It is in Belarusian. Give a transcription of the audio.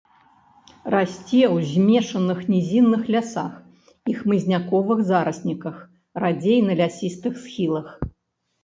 Расце ў змешаных нізінных лясах і хмызняковых зарасніках, радзей на лясістых схілах.